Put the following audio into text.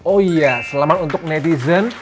oh iya selamat untuk netizen